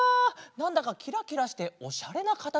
なんだかキラキラしておしゃれなかたつむりだね！